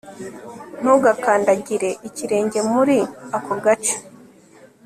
Ntugakandagire ikirenge muri ako gace